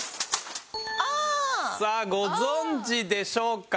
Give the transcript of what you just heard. ああ！さあご存じでしょうかね？